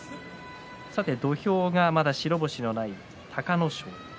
土俵が白星のない隆の勝。